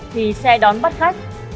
thì xe đón bắt khách